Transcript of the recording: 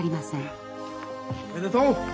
おめでとう！